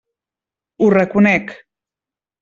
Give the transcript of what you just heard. Ho reconec.